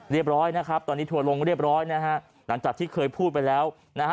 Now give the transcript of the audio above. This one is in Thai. เรียบร้อยนะครับตอนนี้ทัวร์ลงเรียบร้อยนะฮะหลังจากที่เคยพูดไปแล้วนะฮะ